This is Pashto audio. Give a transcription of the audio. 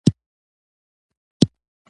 هر څه په خپل وخت سره کیږي.